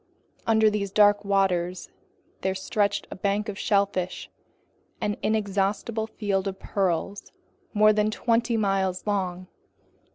Under these dark waters there stretched the bank of shellfish, an inexhaustible field of pearls more than twenty miles long.